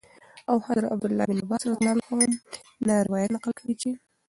او حضرت عبدالله بن عباس رضي الله تعالى عنهم نه روايت نقل كوي چې :